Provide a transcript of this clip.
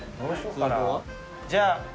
じゃあ。